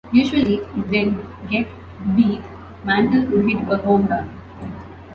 Usually, if they'd get beat, Mantle would hit a home run.